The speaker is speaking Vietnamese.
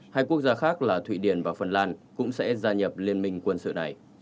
hai quốc gia khác là thụy điển và phần lan cũng sẽ gia nhập liên minh quân sự này